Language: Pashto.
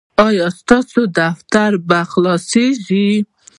ایا ستاسو دفتر به خلاصیږي؟